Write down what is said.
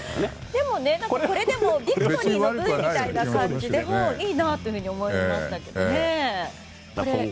でも、これでもビクトリーのＶみたいな感じでいいなと思いましたけどね。